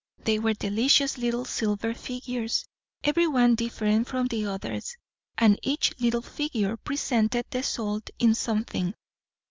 They were delicious little silver figures every one different from the others and each little figure presented the salt in something.